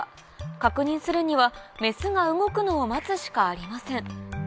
確認するにはメスが動くのを待つしかありません